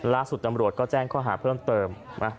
ล่าสุดตำรวจก็แจ้งข้อหาเพิ่มเติม